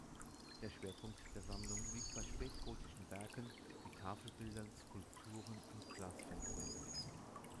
Der Schwerpunkt der Sammlung liegt bei spätgotischen Werken, wie Tafelbildern, Skulpturen und Glasfenstern.